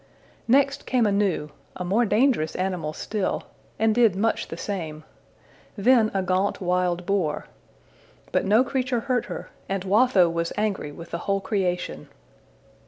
Next came a gnu, a more dangerous animal still, and did much the same; then a gaunt wild boar. But no creature hurt her, and Watho was angry with the whole creation.